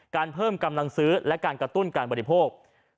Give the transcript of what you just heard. เพิ่มกำลังซื้อและการกระตุ้นการบริโภค